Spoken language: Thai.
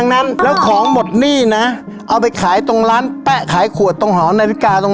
ในรถของป้า